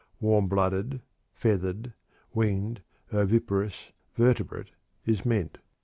_, "warm blooded, feathered, winged, oviparous, vertebrate," is meant.